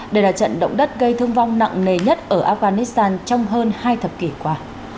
đây là trận động đất gây thương vong nặng nề nhất ở afghanistan trong hơn hai thập kỷ qua